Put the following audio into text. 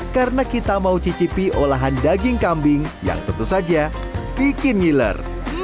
karena kita mau cicipi olahan daging kambing yang tentu saja bikin ngiler